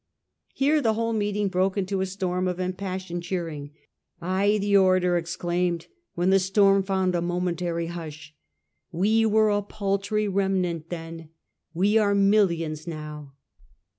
Here the whole meeting broke into a storm of impassioned cheering. ' Ay,' the orator ex claim ed, when the storm found a momentary hush, 1 we were a paltry remnant then ; we are mil lions now.